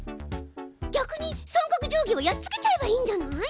逆に三角定規をやっつけちゃえばいいんじゃない？